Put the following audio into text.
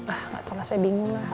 ah gak tau lah saya bingung lah